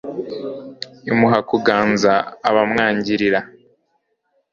imuha kuganza abamwangirira